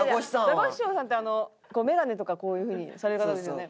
ザコシショウさんって眼鏡とかこういう風にされる方ですよね？